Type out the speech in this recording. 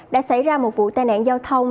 đã xảy ra một vụ tai nạn giao thông